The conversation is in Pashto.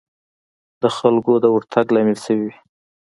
د خلکو د ورتګ لامل شوې وي.